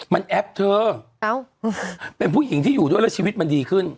มันแอปเธอเป็นผู้หญิงที่อยู่ด้วยแล้วชีวิตมันดีขึ้น